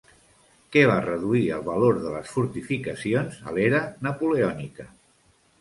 Què va reduir el valor de les fortificacions a l'era napoleònica?